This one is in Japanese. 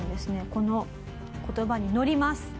この言葉にのります。